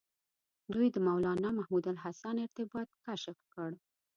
دوی د مولنا محمود الحسن ارتباط کشف کړ.